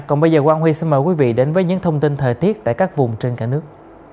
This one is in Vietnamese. còn bây giờ quang huy xin mời quý vị đến với những thông tin thời tiết tại các vùng trên cả nước